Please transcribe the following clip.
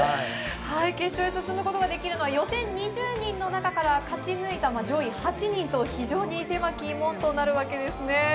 決勝へ進むことができるのは予選２０人の中から勝ち抜いた上位８人と非常に狭き門となるわけです。